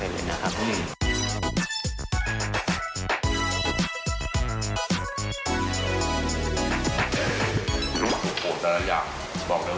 โอ้โฮแต่ละอย่างบอกเลยว่าอร่อยมากเลยนะ